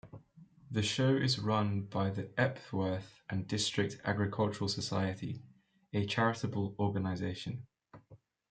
The Show is run by the Epworth and District Agricultural Society, a charitable organisation.